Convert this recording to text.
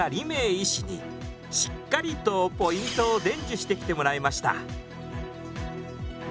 医師にしっかりとポイントを伝授してきてもらいました。